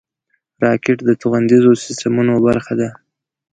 راکټ د توغندیزو سیسټمونو برخه ده